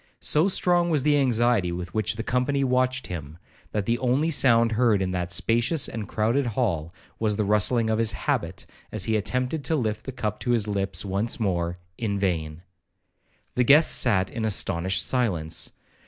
So strong was the anxiety with which the company watched him, that the only sound heard in that spacious and crowded hall, was the rustling of his habit, as he attempted to lift the cup to his lips once more—in vain. The guests sat in astonished silence.